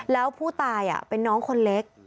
แล้วผู้ตายเป็นน้องคนเล็ก